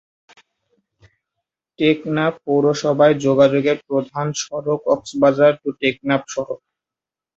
টেকনাফ পৌরসভায় যোগাযোগের প্রধান সড়ক কক্সবাজার-টেকনাফ সড়ক।